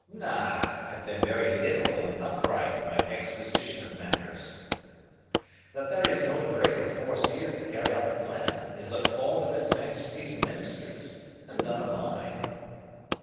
"Na, I've been very literal and upright in my exposition of matters. That there is no greater force here to carry out the plan is a fault of his Majesty's ministers, and none of mine."